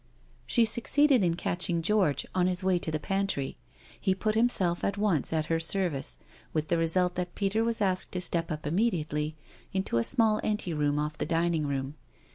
She succeeded in catching George, on his way to the pantry. He put himself at once at her service, with' the result that Peter was asked to step up inunediately. into a small ante room off the dining room.